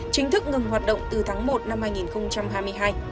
chính thức ngừng hoạt động từ tháng một năm hai nghìn hai mươi hai